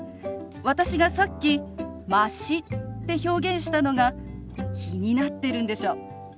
私がさっき「まし」って表現したのが気になってるんでしょ？